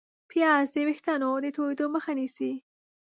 پیاز د ویښتو د تویېدو مخه نیسي